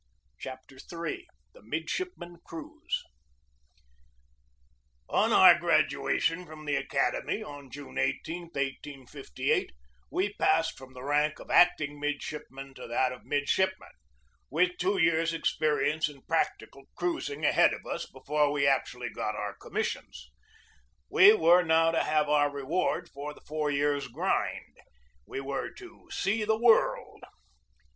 CHAPTER III THE MIDSHIPMAN CRUISE ON our graduation from the academy on June 18, 1858, we passed from the rank of acting midshipmen to that of midshipmen, with two years' experience in practical cruising ahead of us before we actually got our commissions. We were now to have our reward for the four years' grind. We were to see the world.